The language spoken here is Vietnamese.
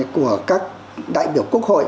của các đại biểu quốc hội